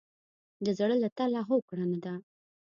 د زړه له تله هوکړه نه ده.